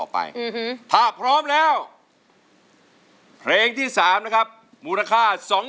ภาษาภาษีราวิทยาลัยภาษาภาษีภาพเวียง